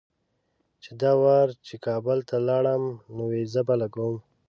چې دا وار چې کابل ته لاړم نو ویزه به لګوم.